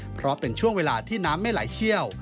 เพราะเป็นช่วงเวลาที่น้ำไม่ไหลเชี่ยว